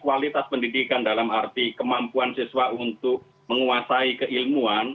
kualitas pendidikan dalam arti kemampuan siswa untuk menguasai keilmuan